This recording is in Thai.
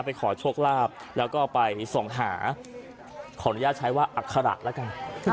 ไปขอโชคลาบแล้วก็ไปส่งหาขออนุญาตใช้ว่าอัคฮาละละกันอ๋อ